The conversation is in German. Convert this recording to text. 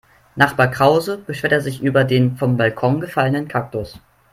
Nachbar Krause beschwerte sich über den vom Balkon gefallenen Kaktus.